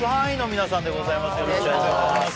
よろしくお願いします